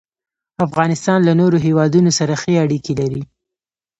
افغانستان له نورو هېوادونو سره ښې اړیکې لري.